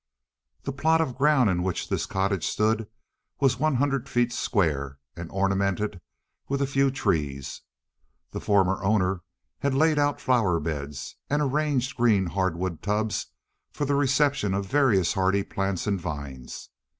The plot of ground in which this cottage stood was one hundred feet square and ornamented with a few trees. The former owner had laid out flower beds, and arranged green hardwood tubs for the reception of various hardy plants and vines.